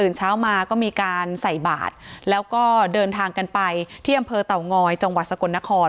เช้ามาก็มีการใส่บาทแล้วก็เดินทางกันไปที่อำเภอเต่างอยจังหวัดสกลนคร